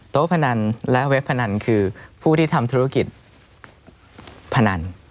พนันและเว็บพนันคือผู้ที่ทำธุรกิจพนัน